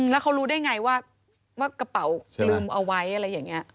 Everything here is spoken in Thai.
แล้วเขารู้ได้ไงว่ากระเป๋าลืมเอาไว้อะไรอย่างนี้